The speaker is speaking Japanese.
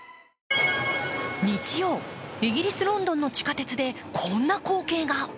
日曜、イギリス・ロンドンの地下鉄でこんな光景が。